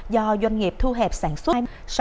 do doanh nghiệp thu hẹp sản xuất